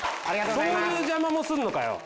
そういう邪魔もするのかよ。